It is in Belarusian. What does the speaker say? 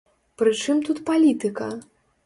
Пры чым тут палітыка!